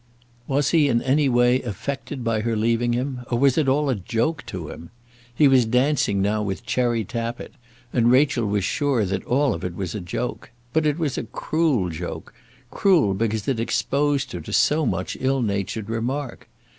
Was he in any way affected by her leaving him, or was it all a joke to him? He was dancing now with Cherry Tappitt, and Rachel was sure that all of it was a joke. But it was a cruel joke, cruel because it exposed her to so much ill natured remark.